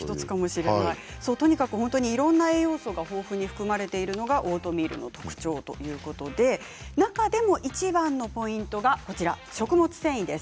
とにかくいろんな栄養素が豊富に含まれているのがオートミールの特徴ということで中でもいちばんのポイントが食物繊維です。